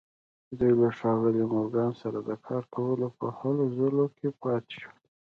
دوی له ښاغلي مورګان سره د کار کولو په هلو ځلو کې پاتې شول